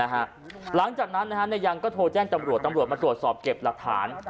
หลังจากนั้นยังก็โทรแจ้งตำรวจตำรวจมาตรวจสอบเก็บหลักฐาน